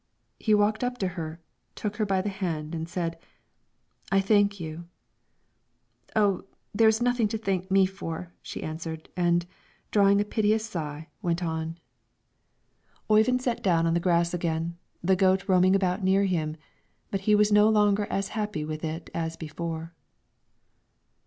He walked up to her, took her by the hand, and said, "I thank you!" "Oh, there is nothing to thank me for," she answered, and, drawing a piteous sigh, went on. Oyvind sat down on the grass again, the goat roaming about near him; but he was no longer as happy with it as before.